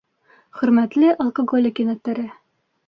Хөрмәтле алкоголик йәнәптәре!